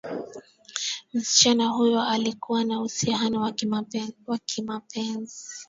msichana huyo alikuwa na uhusiano wa kimapenzi